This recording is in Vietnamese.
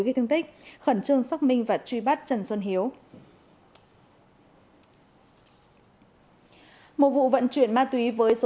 gây thương tích khẩn trương xác minh và truy bắt trần xuân hiếu một vụ vận chuyển ma túy với số